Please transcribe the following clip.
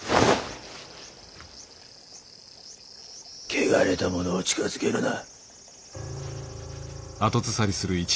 汚れた者を近づけるな。